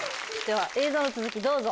映像の続きどうぞ。